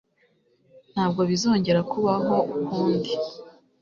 Ntabwo bizongera kubaho ukundi